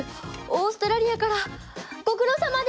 オーストラリアからご苦労さまです！